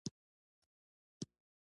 غول د ناسمو انتخابونو سزا ده.